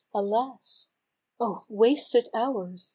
alas ! Oh ! wasted hours